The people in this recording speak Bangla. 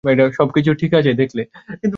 সবকিছু ঠিক আছে, দেখলে?